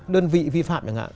đơn vị vi phạm